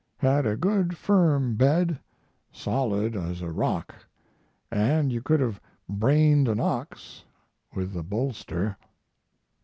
Had a good firm bed, solid as a rock, & you could have brained an ox with the bolster.